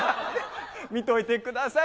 見といてください。